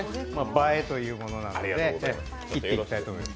映えというものなので切っていただきたいと思います。